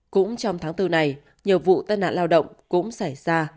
cũng trong tháng bốn này nhiều vụ tai nạn lao động cũng xảy ra